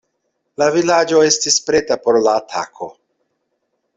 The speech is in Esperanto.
La vilaĝo estis preta por la atako.